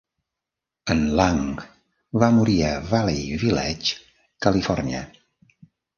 En Lang va morir a Valley Village, Califòrnia.